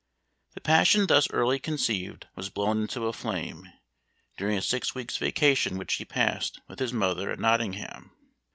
The passion thus early conceived was blown into a flame, during a six weeks' vacation which he passed with his mother at Nottingham.